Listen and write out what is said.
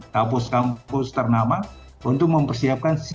kampus kampus ternama untuk mempersiapkan siswa kelas tiga